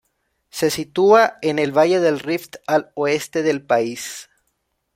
Se sitúa en el valle del Rift, al oeste del país.